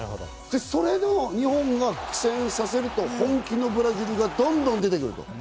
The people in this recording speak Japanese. それでも日本が苦戦させると本気のブラジルがどんどん出てくる。